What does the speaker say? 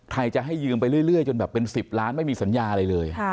ใครจะให้ยืมไปเรื่อยจนแบบเป็น๑๐ล้านไม่มีสัญญาอะไรเลย